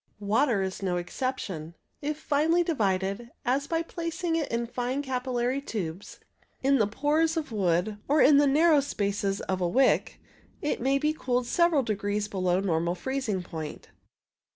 Water is no exception. If finely divided, as by placing it in fine capillary tubes, in the pores of wood, or in the narrow spaces of a wick, it may be cooled several degrees below normal freezing point.